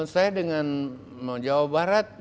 saya dengan jawa barat